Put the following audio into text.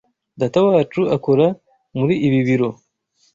Datawacu akora muri ibi biro.